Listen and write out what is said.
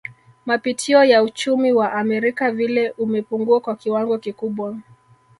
Mapitio ya uchumi wa Amerika vile umepungua kwa kiwango kikubwa